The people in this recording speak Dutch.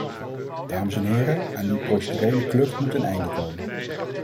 Dames en heren, aan die procedurele klucht moet een einde komen.